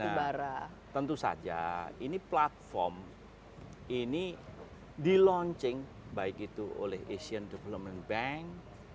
tentu saja ini platform ini di launching baik itu oleh asian development bank